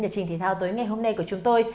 chương trình thể thao tới ngày hôm nay của chúng tôi